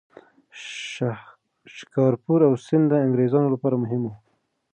شکارپور او سند د انګریزانو لپاره مهم وو.